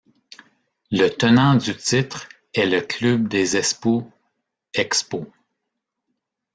Le tenant du titre est le club des Espoo Expos.